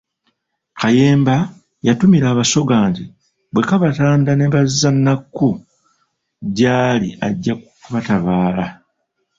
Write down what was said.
Kayemba yatumira Abasoga nti bwe kabatanda ne bazza Nnakku gy'ali ajja kubatabaala.